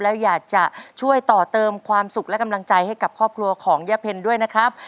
แล้วอยากจะช่วยต่อเติมความสุขและกำลังใจให้กับครอบครัวของยะเพ็ญด้วยนะครับ